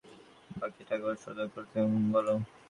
বাকি টাওয়ারগুলোকে সতর্ক থাকতে বলো।